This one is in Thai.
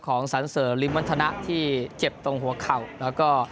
ของสารเสริมมันธนะที่เจ็บตรงหัวเข่าแล้วก็